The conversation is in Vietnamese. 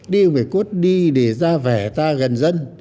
đi về cốt đi để ra vẻ ta gần dân